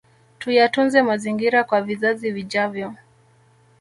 Tuyatunze mazingira kwa vizazi vijavyo